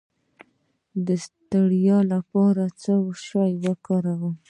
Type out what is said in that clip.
د ستړیا لپاره باید څه شی وکاروم؟